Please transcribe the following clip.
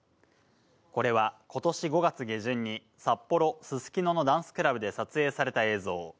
これはことし５月下旬に、札幌・すすきののダンスクラブで撮影された映像。